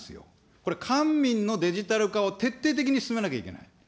これ、官民のデジタル化を徹底的に進めなきゃいけない。